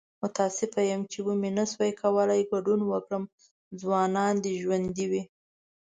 متاسف یم چې و مې نشو کولی ګډون وکړم. ځوانان دې ژوندي وي!